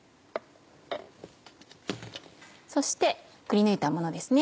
そしてくりぬいたものですね